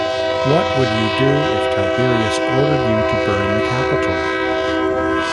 What would you do if Tiberius ordered you to burn the Capitol?